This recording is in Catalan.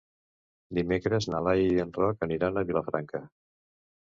Dimecres na Laia i en Roc aniran a Vilafranca.